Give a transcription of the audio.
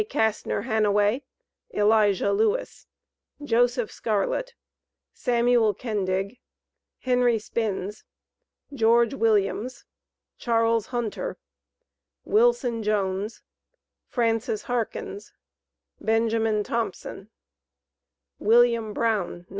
Castner Hanaway, Elijah Lewis, Joseph Scarlett, Samuel Kendig, Henry Spins, George Williams, Charles Hunter, Wilson Jones, Francis Harkins, Benjamin Thomson, William Brown (No.